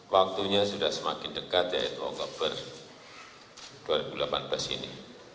waktunya sudah semakin dekat yaitu oktober dua ribu delapan belas ini